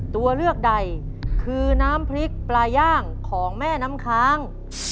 ตัวเลือกใดคือน้ำพริกปลาย่างของแม่น้ำค้าง